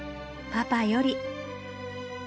「パパより」